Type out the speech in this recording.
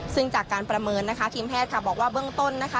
ซึ่งจากการประเมินนะคะทีมแพทย์ค่ะบอกว่าเบื้องต้นนะคะ